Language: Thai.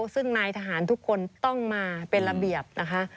ซึ่งนายทหารทุกคนต้องมาเป็นระเบียบนะคะ